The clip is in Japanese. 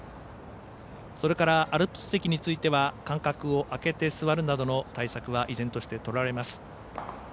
それから、アルプス席については間隔を空けて座るなどの対策は依然としてとられます。